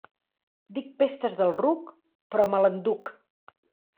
Dic pestes del ruc, però me l'enduc.